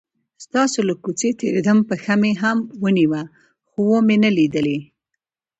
ستاسو له کوڅې تیرېدم، پښه مې هم ونیوه خو ومې نه لیدلې.